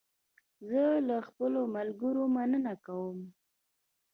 زه له خپلو ملګرو مننه کوم.